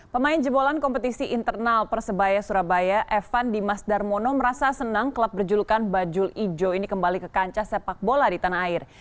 pemain jebolan kompetisi internal persebaya surabaya evan dimas darmono merasa senang klub berjulukan bajul ijo ini kembali ke kancah sepak bola di tanah air